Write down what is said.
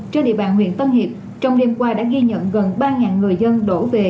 trên địa bàn huyện tân hiệp trong đêm qua đã ghi nhận gần ba người dân đổ về